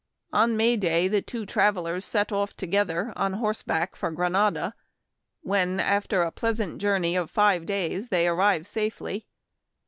On May day the two travelers set off together, on horseback for Granada, when, after a pleasant journey of five days, they arrive safely.